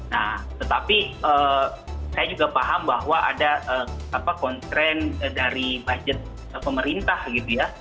nah tetapi saya juga paham bahwa ada kontrend dari budget pemerintah gitu ya